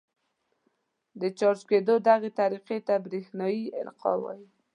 د چارج کېدو دغې طریقې ته برېښنايي القاء وايي.